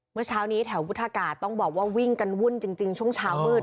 เมื่อเช้านี้แถววุฒากาศต้องบอกว่าวิ่งกันวุ่นจริงช่วงเช้ามืด